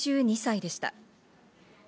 ８２歳でした。